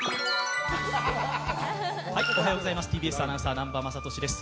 おはようございます、ＴＢＳアナウンサー、南波雅俊です。